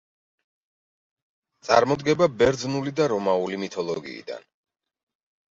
წარმოდგება ბერძნული და რომაული მითოლოგიიდან.